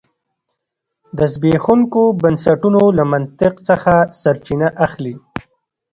د زبېښونکو بنسټونو له منطق څخه سرچینه اخلي.